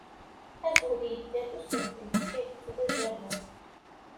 Azwel yedda d usentel d tidet d azabuq.